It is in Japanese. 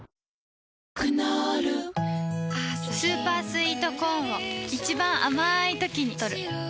クノールスーパースイートコーンを一番あまいときにとる